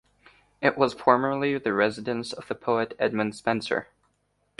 It was formerly the residence of the poet Edmund Spenser.